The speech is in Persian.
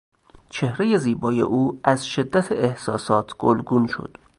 چهرهی زیبای او از شدت احساسات گلگون شد.